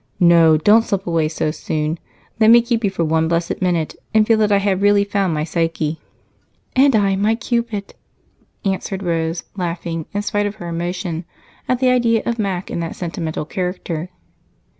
"No don't slip away so soon. Let me keep you for one blessed minute and feel that I have really found my Psyche." "And I my Cupid," answered Rose, laughing, in spite of her emotion, at the idea of Mac in that sentimental character.